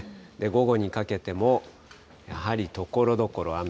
午後にかけても、やはりところどころ雨。